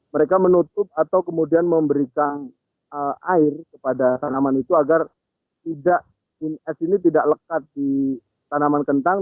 mereka menutup atau kemudian memberikan air kepada tanaman itu agar es ini tidak lekat di tanaman kentang